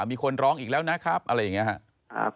มีคนร้องอีกแล้วนะครับอะไรอย่างนี้ครับ